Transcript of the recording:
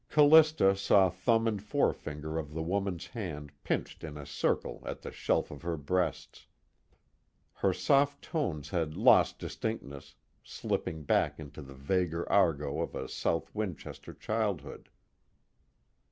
Callista saw thumb and forefinger of the woman's hand pinched in a circle at the shelf of her breasts. Her soft tones had lost distinctness, slipping back into the vaguer argot of a South Winchester childhood.